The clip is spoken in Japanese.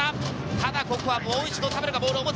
ただここはもう一度、田原がボールを持つ。